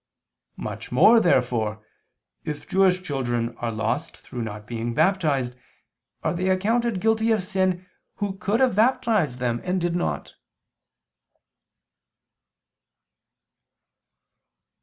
Much more therefore, if Jewish children are lost through not being baptized are they accounted guilty of sin, who could have baptized them and did not.